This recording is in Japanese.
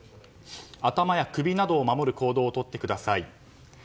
頭や首などを守る行動をとってください。